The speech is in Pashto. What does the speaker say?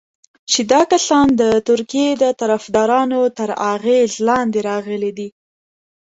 چې دا کسان د ترکیې د طرفدارانو تر اغېز لاندې راغلي دي.